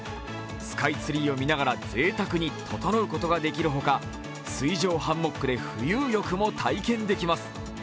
スカイツリーを見ながらぜいたくにととのうことができるほか、水上ハンモックで富裕浴も体験できます。